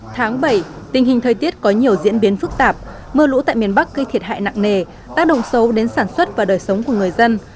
tháng bảy tình hình thời tiết có nhiều diễn biến phức tạp mưa lũ tại miền bắc gây thiệt hại nặng nề tác động xấu đến sản xuất và đời sống của người dân